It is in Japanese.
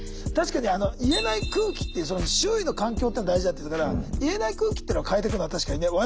確かに言えない空気っていうその周囲の環境っていうの大事だって言ってたから言えない空気っていうのを変えていくのは確かにね。